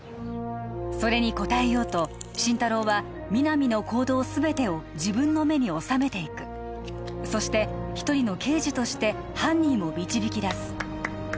それに応えようと心太朗は皆実の行動すべてを自分の目に収めていくそして一人の刑事として犯人を導き出す